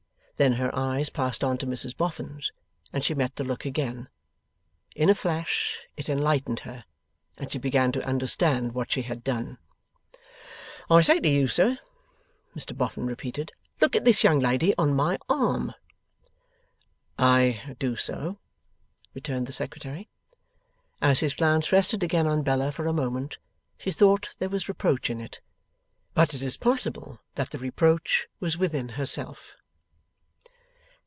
Then her eyes passed on to Mrs Boffin's, and she met the look again. In a flash it enlightened her, and she began to understand what she had done. 'I say to you, sir,' Mr Boffin repeated, 'look at this young lady on my arm.' 'I do so,' returned the Secretary. As his glance rested again on Bella for a moment, she thought there was reproach in it. But it is possible that the reproach was within herself.